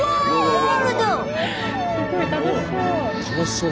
すごい楽しそう。